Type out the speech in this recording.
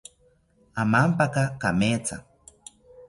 Amampaka kametha